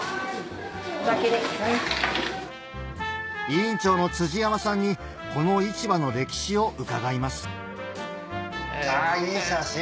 委員長の辻山さんにこの市場の歴史を伺いますあいい写真！